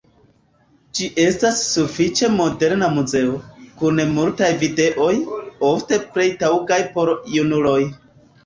Ĝi estas sufiĉe moderna muzeo, kun multaj videoj, ofte plej taŭgaj por junuloj.